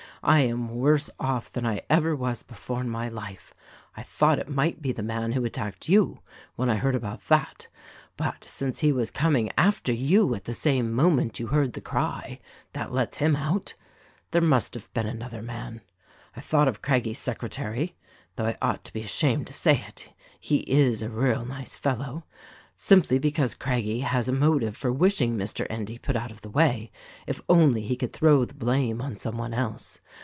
"I am worse off than I ever was before in my life. I thought it might be the man who attacked you (when I heard about that), but since he was coming after you at the same moment you heard the cry, that lets him out. There must have been another man. I thought of Craggie's secretary (though I ought to be ashamed to say it — he is a real nice fellow), simply because Craggie has a motive for wishing Mr. Endy put out of the way, if only he could throw the blame on some one else.